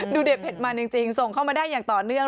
เด็ดเผ็ดมันจริงส่งเข้ามาได้อย่างต่อเนื่อง